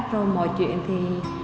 rồi mọi chuyện thì